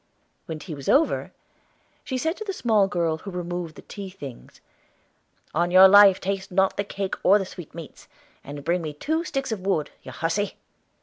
When tea was over, she said to the small girl who removed the tea things, "On your life taste not of the cake or the sweetmeats; and bring me two sticks of wood, you huzzy."